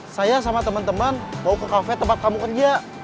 saya sama teman teman mau ke kafe tempat kamu kerja